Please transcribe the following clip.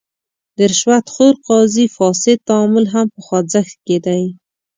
د رشوت خور قاضي فاسد تعامل هم په خوځښت کې دی.